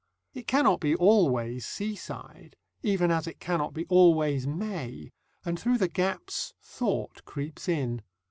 It cannot be always seaside, even as it cannot be always May, and through the gaps thought creeps in.